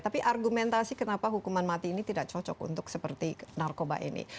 tapi argumentasi kenapa hukuman mati ini tidak cocok untuk seperti narkoba ini